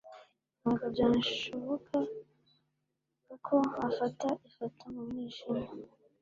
ntabwo byashobokaga ko afata ifoto mu mwijima